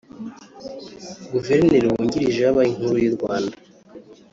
Guverineri wungirije wa Banki Nkuru y’u Rwanda